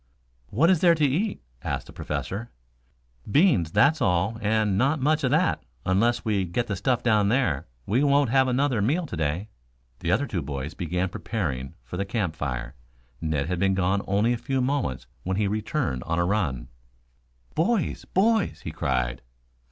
"What is there to eat?" asked the Professor. "Beans, that's all, and not much of that. Unless we get the stuff down there, we won't have another meal to day." The other two boys began preparing for the camp fire. Ned had been gone only a few moments when he returned on a run. "Boys! Boys!" he cried.